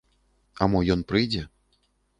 А мо ён прыйдзе?